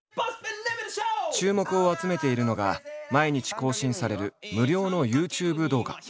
注目を集めているのが毎日更新される無料のＹｏｕＴｕｂｅ動画。